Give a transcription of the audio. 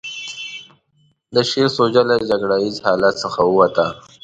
د شعر سوژه له جګړه ييز حالت څخه ووته.